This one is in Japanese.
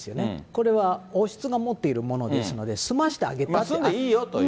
これは王室が持っているものですので、住んでいいよという。